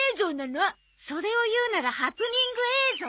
それを言うならハプニング映像。